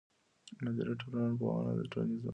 نظري ټولنپوهنه د ټولنیزو حقایقو پېژندل خپل هدف بولي.